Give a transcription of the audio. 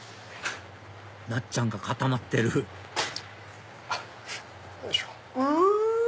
なっちゃんが固まってるうわ！